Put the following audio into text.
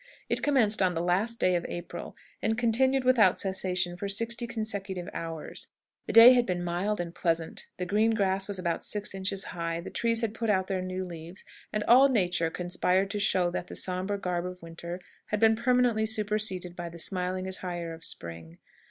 It commenced on the last day of April, and continued without cessation for sixty consecutive hours. The day had been mild and pleasant; the green grass was about six inches high; the trees had put out their new leaves, and all nature conspired to show that the sombre garb of winter had been permanently superseded by the smiling attire of spring.